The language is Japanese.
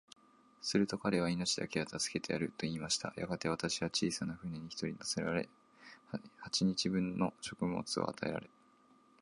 すると彼は、命だけは助けてやる、と言いました。やがて、私は小さな舟に一人乗せられ、八日分の食物を与えられ、